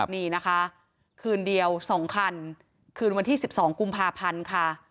นี่นะคะคืนเดียว๒คันคืนวันที่๑๒กุมภาพันธ์ค่ะ